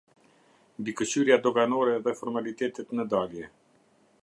Mbikëqyrja doganore dhe formalitetet në dalje.